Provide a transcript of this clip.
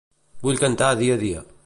Vull cantar dia a dia.